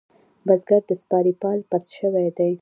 بزگر د سپارې پال پس شوی دی.